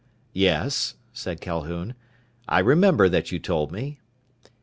"Yes," said Calhoun. "I remember that you told me."